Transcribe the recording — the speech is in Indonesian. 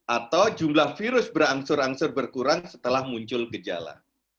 atau jumlah virus berangsur angsur berkurang setelah muncul gejala